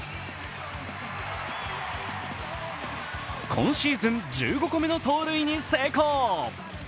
今シーズン１５個目の盗塁に成功。